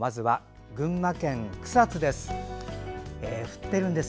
群馬県草津です。